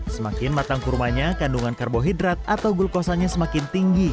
semakin matang kurmanya kandungan karbohidrat atau glukosanya semakin tinggi